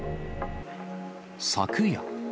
昨夜。